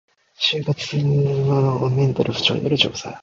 就職活動時のメンタル不調に関する調査